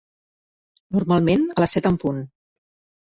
Normalment a les set en punt.